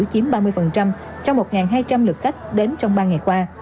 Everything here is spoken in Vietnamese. chiếm ba mươi trong một hai trăm linh lượt khách đến trong ba ngày qua